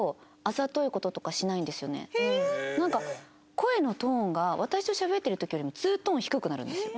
なんか声のトーンが私としゃべってる時よりも２トーン低くなるんですよ。